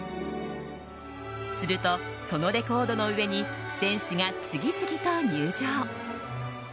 すると、そのレコードの上に選手が次々と入場。